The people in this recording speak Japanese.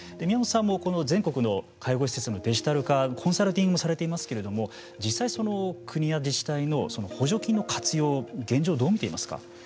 宮本さんもこの全国の介護施設のデジタル化コンサルティングされていますけれども実際国や自治体の補助金の活用現状どう見ていますか？